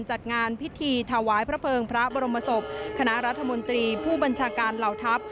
จัดงานพิธีถวายพระเภิงพระบรมศพคณะรัฐมนตรีผู้บัญชาการเหล่าทัพ